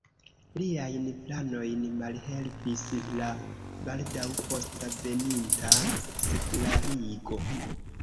Liajn planojn malhelpis la baldaŭ posta veninta sekularigo.